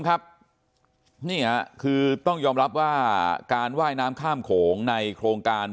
ครับนี่ค่ะคือต้องยอมรับว่าการว่ายน้ำข้ามโขงในโครงการ